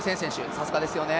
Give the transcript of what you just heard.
さすがですよね。